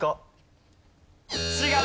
違う。